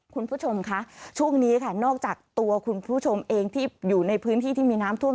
คุณผู้ชมคะช่วงนี้ค่ะนอกจากตัวคุณผู้ชมเองที่อยู่ในพื้นที่ที่มีน้ำท่วม